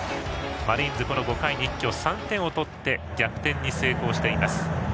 マリーンズ、５回に一挙３点を取って逆転に成功しています。